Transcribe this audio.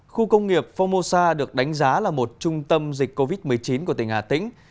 khu công nghiệp phongmosa được đánh giá là một trung tâm dịch covid một mươi chín của tỉnh hà tĩnh